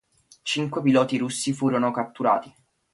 Cinque piloti russi furono catturati.